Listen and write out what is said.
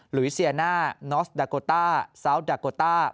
ลุยเซียน่านอสดาโกต้าซาวดาโกต้า